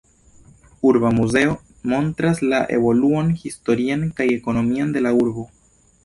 Urba muzeo montras la evoluon historian kaj ekonomian de la urbo.